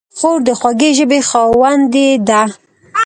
خور د خوږې ژبې خاوندې ده.